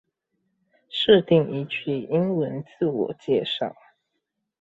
設定一句英文自我介紹